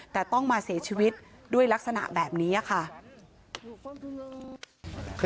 แต่ต้องมาเสียชีวิตด้วยลักษณะแบบนี้ค่ะ